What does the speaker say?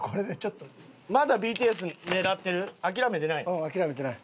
うん諦めてない。